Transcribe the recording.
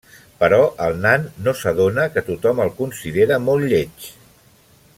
Però el nan no s'adona que tothom el considera molt lleig.